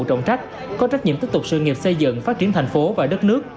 trọng trách có trách nhiệm tiếp tục sự nghiệp xây dựng phát triển thành phố và đất nước